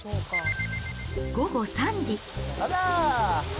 午後３時。